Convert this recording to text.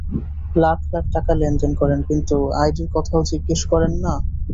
লাখ লাখ টাকা লেনদেন করেন, কিন্তু আইডির কথাও জিজ্ঞেস করেন না?